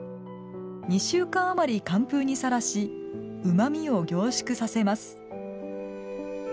２週間あまり寒風にさらしうま味を凝縮させます。